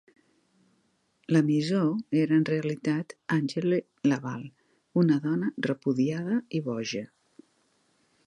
L'emissor era en realitat Angele Laval, una dona repudiada i boja.